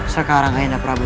sekarang ayanda prabu